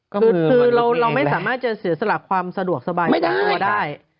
คือเราไม่สามารถจะเสียสละความสะดวกสบายจากตัวได้